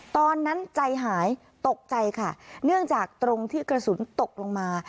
ตอนนั้นใจหายตกใจค่ะเนื่องจากตรงที่กระสุนตกลงมา